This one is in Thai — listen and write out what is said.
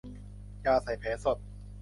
ยาใส่แผลสด